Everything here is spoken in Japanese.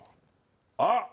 あっ！